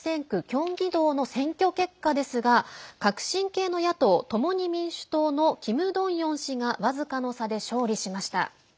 キョンギ道の選挙結果ですが革新系の野党、共に民主党のキム・ドンヨン氏が僅かの差で勝利しました。